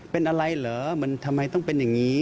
เป็นอะไรเหรอมันทำไมต้องเป็นอย่างนี้